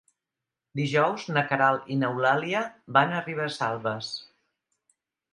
Dijous na Queralt i n'Eulàlia van a Ribesalbes.